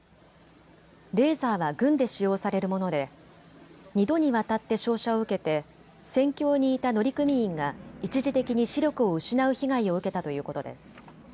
レーザーは軍で使用されるもので２度にわたって照射を受けて船橋にいた乗組員が一時的に視力を失う被害を受けたということです。